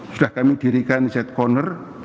sudah kami dirikan z corner